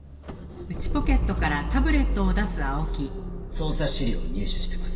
捜査資料を入手してます。